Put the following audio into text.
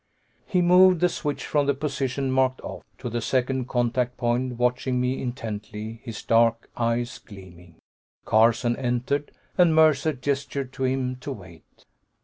He moved the switch from the position marked "Off" to the second contact point, watching me intently, his dark eyes gleaming. Carson entered, and Mercer gestured to him to wait.